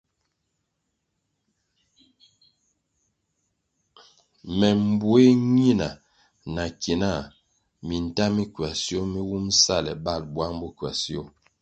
Me mbue nina na ki na minta mi kwasio mi wumʼ sale balʼ buang bo kwasio.